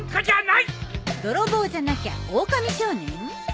泥棒じゃなきゃおおかみ少年？